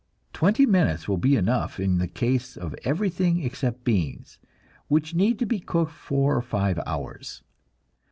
Twenty minutes will be enough in the case of everything except beans, which need to be cooked four or five hours.